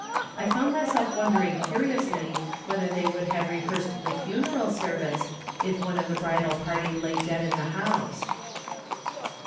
I found myself wondering curiously whether they would have rehearsed the funeral service if one of the bridal party lay dead in the house.